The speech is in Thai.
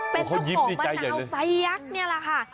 เป็นเจ้าของมะนาวไซสยักษ์นี่แหละค่ะ